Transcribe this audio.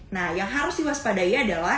nah yang harus diwaspadai adalah